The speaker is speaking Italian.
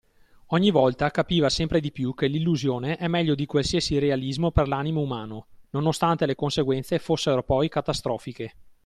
Ogni volta capiva sempre di più che l’illusione è meglio di qualsiasi realismo per l’animo umano, nonostante le conseguenze fossero poi catastrofiche.